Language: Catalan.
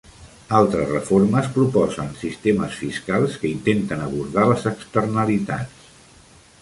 Altres reformes proposen sistemes fiscals que intenten abordar les externalitats.